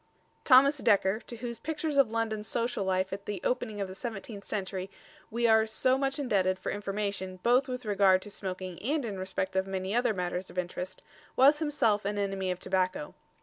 Thomas Dekker, to whose pictures of London social life at the opening of the seventeenth century we are so much indebted for information both with regard to smoking and in respect of many other matters of interest, was himself an enemy of tobacco.